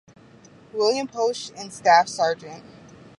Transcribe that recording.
William Posch and Staff Sgt.